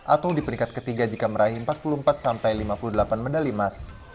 atau di peringkat ketiga jika meraih empat puluh empat sampai lima puluh delapan medali emas